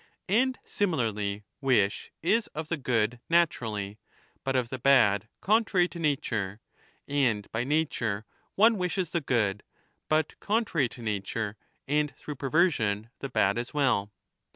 And similarly wish is of the good naturally, but of the bad contrary to nature, and by nature 30 one wishes the good, but contrary to nature and through perversion^ the bad as well.